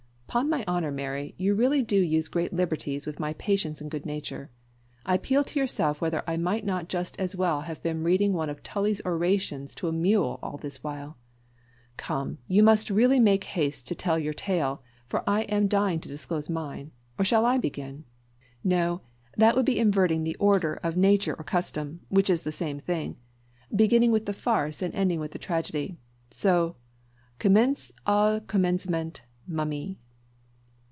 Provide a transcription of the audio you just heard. "'Pon my honour, Mary, you really do use great liberties with my patience and good nature. I appeal to yourself whether I might not just as well have been reading one of Tully's orations to a mule all this while. Come, you must really make haste to tell your tale, for I am dying to disclose mine. Or shall I begin? No that would be inverting the order of nature or custom, which is the same thing beginning with the farce, and ending with the tragedy so _commencez au commencement, m'amie."